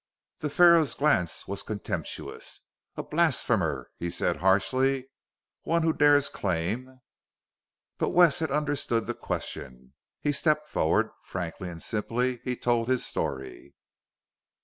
The Pharaoh's glance was contemptuous. "A blasphemer," he said harshly. "One who dares claim " But Wes had understood the question. He stepped forward. Frankly and simply, he told his story.